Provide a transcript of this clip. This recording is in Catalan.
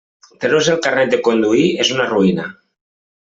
Treure's el carnet de conduir és una ruïna.